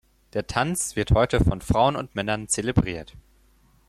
Der Tanz wird heute von Frauen und Männern zelebriert.